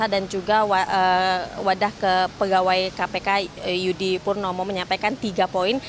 dan juga wadah ke pegawai kpk yudi purnomo menyampaikan tiga poin